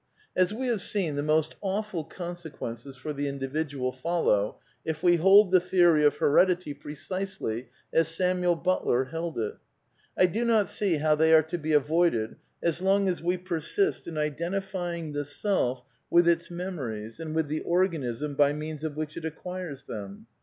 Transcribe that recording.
As we have seen, the most awful consequences, for the Individual, follow if we hold the theory of heredity pre cisely as Samuel Butler held it. I do not see how they are to be avoided as long as we persist in identifying the self with its memories and with the organism by means of which it acquires them.